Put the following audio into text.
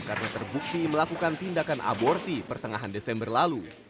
karena terbukti melakukan tindakan aborsi pertengahan desember lalu